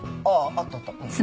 あったあった。